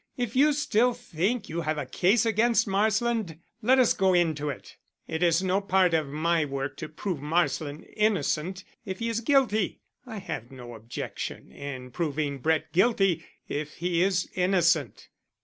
If you still think you have a case against Marsland, let us go into it. It is no part of my work to prove Marsland innocent if he is guilty; I have no object in proving Brett guilty if he is innocent.